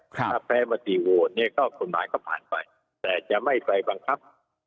ถ้าแพ้ปฏิโวทนี่ก็กฎหมายเข้าผ่านไปแต่จะไม่ไปบังคับ